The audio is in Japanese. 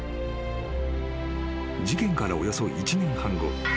［事件からおよそ１年半後］